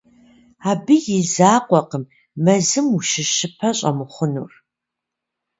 Абы и закъуэкъым мэзым ущыщыпэ щӀэмыхъунур.